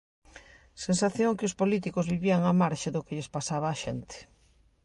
Sensación que os políticos vivían á marxe do que lles pasaba á xente.